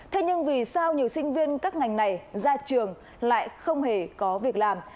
thế nhưng vì sao nhiều sinh viên các ngành này ra trường lại không hề có việc làm